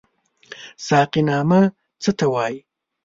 ساقينامه څه ته وايي؟